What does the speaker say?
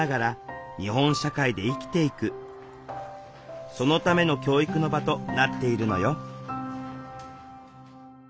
今ではそのための教育の場となっているのよ